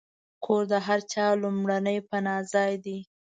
کور د هر چا لومړنی پناهځای دی.